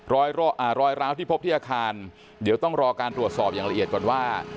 รอยร้าวที่พบที่อาคารเดี๋ยวต้องรอการตรวจสอบอย่างละเอียดก่อนว่า